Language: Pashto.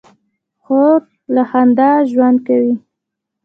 خور له خندا ژوند کوي.